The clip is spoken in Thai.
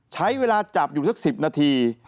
ใช้เวลาจับอยู่สัก๑๐นาที